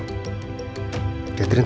foto gak mungkin berbohong